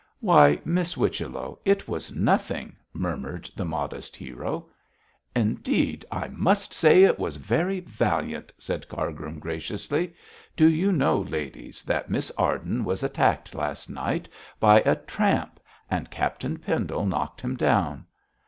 'Why, Miss Whichello, it was nothing,' murmured the modest hero. 'Indeed, I must say it was very valiant,' said Cargrim, graciously. 'Do you know, ladies, that Miss Arden was attacked last night by a tramp and Captain Pendle knocked him down?'